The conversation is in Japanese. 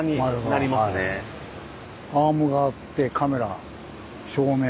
アームがあってカメラ照明。